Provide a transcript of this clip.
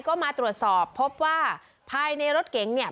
ก็มาตรวจสอบพบว่าภายในรถเก๋งเนี่ย